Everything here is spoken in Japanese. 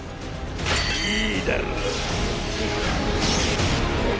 いいだろう！